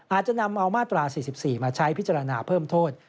อาจจะนำเอามาตรา๔๔มาใช้พิจารณาเพิ่มโทษ